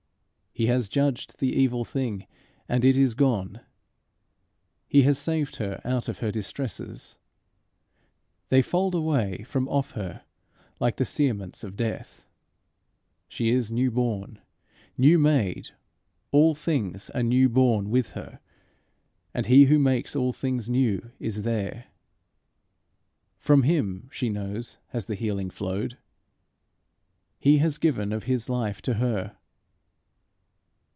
He has judged the evil thing, and it is gone. He has saved her out of her distresses. They fold away from off her like the cerements of death. She is new born new made all things are new born with her and he who makes all things new is there. From him, she knows, has the healing flowed. He has given of his life to her.